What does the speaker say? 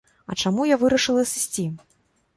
А чаму я вырашыла сысці?